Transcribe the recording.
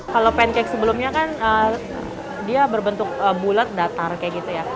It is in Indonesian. kalau pancake sebelumnya kan dia berbentuk bulat datar kayak gitu ya